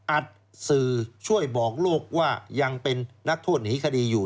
สื่อช่วยบอกลูกว่ายังเป็นนักโทษหนีคดีอยู่